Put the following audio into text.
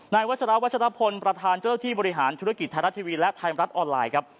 วัชราวัชรพลประธานเจ้าที่บริหารธุรกิจไทยรัฐทีวีและไทยรัฐออนไลน์ครับ